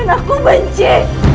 dan aku benci